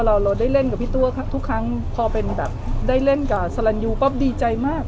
เราได้เล่นกับพี่ตัวทุกครั้งพอเป็นแบบได้เล่นกับสลันยูก็ดีใจมาก